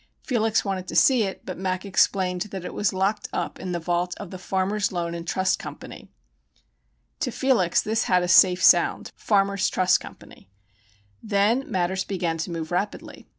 Felix wanted to see it, but "Mac" explained that it was locked up in the vault at the Farmers' Loan and Trust Co. To Felix this had a safe sound "Farmers' Trust Co." Then matters began to move rapidly.